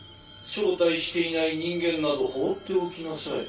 招待していない人間など放っておきなさい。